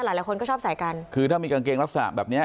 หลายคนก็ชอบใส่กันคือถ้ามีกางเกงลักษณะแบบเนี้ย